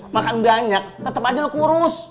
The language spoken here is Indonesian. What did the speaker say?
makan banyak tetap aja lu kurus